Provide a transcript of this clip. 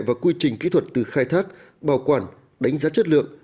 và quy trình kỹ thuật từ khai thác bảo quản đánh giá chất lượng